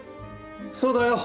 そうだよ。